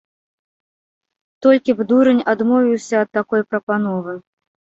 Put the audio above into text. Толькі б дурань адмовіўся ад такой прапановы.